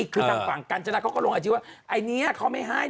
คือทางฝั่งกันจนาก็ลงไอจีว่า